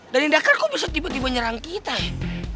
dari indahkan kok bisa tiba tiba nyerang kita ya